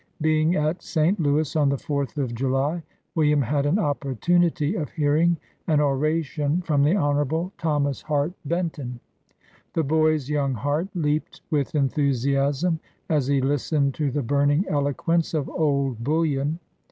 Being at St. Louis on the Fourth of July, William had an opportu nity of hearing an oration from the Hon. Thomas Hart Benton. The boy's young heart leaped with enthusi asm as he listened to the burning eloquence of " Old Bullion.''